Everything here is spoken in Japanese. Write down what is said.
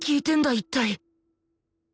一体